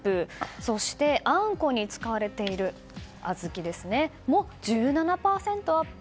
そして、あんこに使われている小豆も１７％アップ。